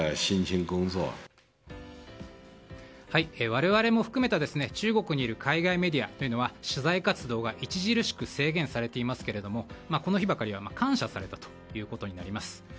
我々も含めた中国にいる海外メディアは取材活動が著しく制限されていますけれどもこの日ばかりは感謝されたということになります。